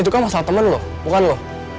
itu kan masalah temen lo bukan lo